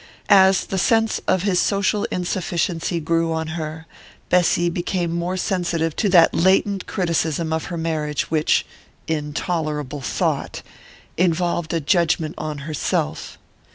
As the sense of his social insufficiency grew on her, Bessy became more sensitive to that latent criticism of her marriage which intolerable thought! involved a judgment on herself.